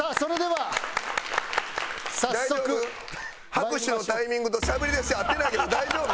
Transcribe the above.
拍手のタイミングとしゃべりだし合ってないけど大丈夫？